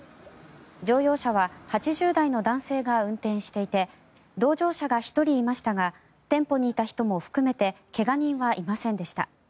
乗用車は８０代の男性が運転していて同乗者が１人いましたが店舗にいた人も含めて怪我人はいませんでした。